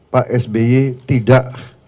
pak sby tidak